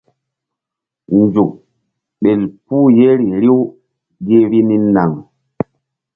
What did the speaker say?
Nzuk ɓel puh yeri riw gi vbi ni naŋ.